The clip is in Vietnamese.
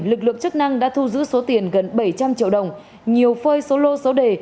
lực lượng chức năng đã thu giữ số tiền gần bảy trăm linh triệu đồng nhiều phơi số lô số đề